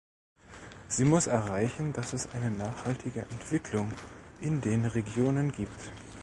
Sie muss erreichen, dass es eine nachhaltige Entwicklung in den Regionen gibt.